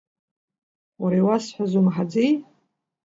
Уара, иуасҳәаз умаҳаӡеи?